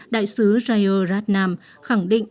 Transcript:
đại sứ jayaratnam khẳng định